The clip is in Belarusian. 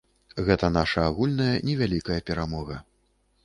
Гэта наша агульная невялікая перамога.